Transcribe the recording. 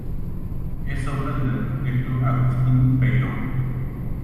Es obra del arquitecto Agustín Peiró.